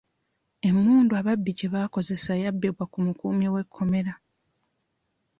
Emmundu ababbi gye baakozesa yabibbwa ku mukuumi w'ekkomera.